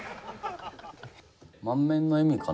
満面の笑みかな